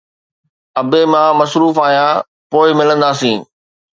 ابي مان مصروف آهيان، پوءِ ملنداسين